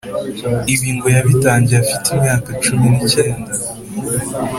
ibi ngo yabitangiye afite imyaka cumi n’ikenda